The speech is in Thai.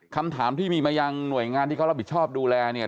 คำถามที่มีมายังหน่วยงานที่เขารับผิดชอบดูแลเนี่ย